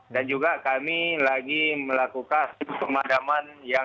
dan juga kami lagi melakukan pengadaman yang